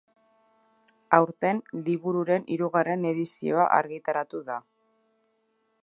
Aurten libururen hirugarren edizioa argitaratu da.